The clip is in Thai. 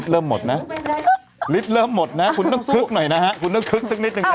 ลิตเริ่มหมดนะคุณต้องคึกหน่อยนะคุณต้องคึกสักนิดหนึ่งนะ